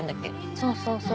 そうそうそう。